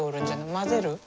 混ぜる？